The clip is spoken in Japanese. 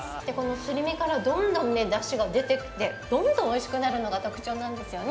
すり身からだしが出てきてどんどんおいしくなるのが特徴なんですよね。